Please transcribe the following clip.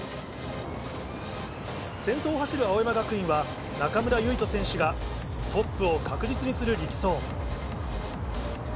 先頭を走る青山学院は、中村唯翔選手がトップを確実にする力走。